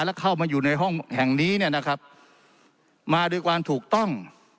และเข้ามาอยู่ในห้องแห่งนี้มาโดยความถูกต้อง